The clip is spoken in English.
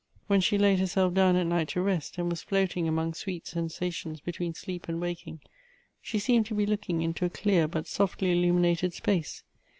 When she laid herself down at night to rest, and was floating among sweet sensations between sleep and waking, she seemed to be looking into a clear but softly illuminated space.